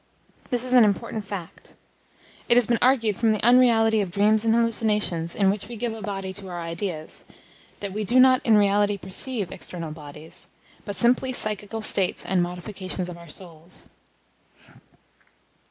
This is an important fact. It has been argued from the unreality of dreams and hallucinations in which we give a body to our ideas, that we do not in reality perceive external bodies, but simply psychical states and modifications of our souls.